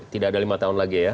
tidak ada lima tahun lagi ya